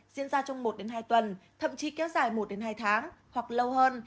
diễn ra trong một hai tuần thậm chí kéo dài một hai tháng hoặc lâu hơn